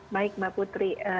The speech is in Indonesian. baik mbak putri